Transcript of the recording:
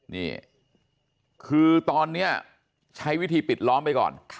นี่คือตอนนี้ใช้วิธีปิดล้อมไปก่อน